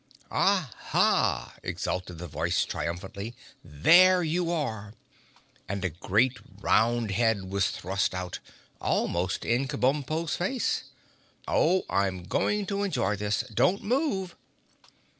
"Aha!" exulted the voice triumphantly. "There you are!" And a great round head was thrust out, almost in Kabumpo's face. "Oh! I'm going to enjoy this. Don't move!"